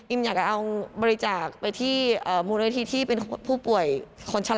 อยากจะเอาบริจาคไปที่มูลนิธิที่เป็นผู้ป่วยคนชะลา